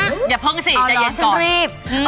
อย่าเพิ่งสิใจเย็นก่อนอ๋อเหรอฉันรีบอืม